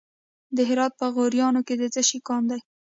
د هرات په غوریان کې د څه شي کان دی؟